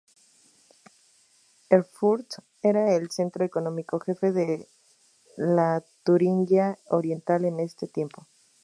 Erfurt era el centro económico jefe de la Turingia oriental en ese tiempo.